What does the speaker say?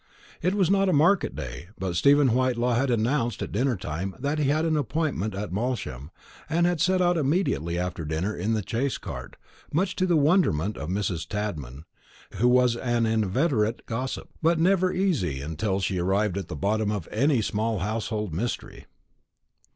It was not a market day, but Stephen Whitelaw had announced at dinner time that he had an appointment at Malsham, and had set out immediately after dinner in the chaise cart, much to the wonderment of Mrs. Tadman, who was an inveterate gossip, and never easy until she arrived at the bottom of any small household mystery.